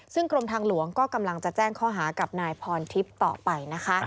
ซึ่งกรมทางหลวงก็กำลังจะแจ้งข้อหากับนายพรทิพย์ต่อไปนะคะ